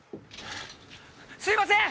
すいません